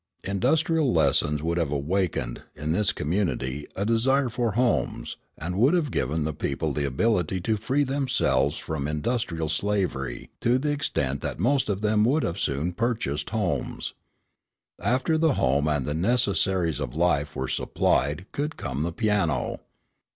Industrial lessons would have awakened, in this community, a desire for homes, and would have given the people the ability to free themselves from industrial slavery to the extent that most of them would have soon purchased homes. After the home and the necessaries of life were supplied could come the piano.